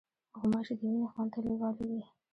غوماشې د وینې خوند ته لیوالې وي.